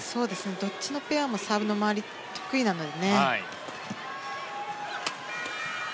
どっちのペアもサーブの周り、得意なので。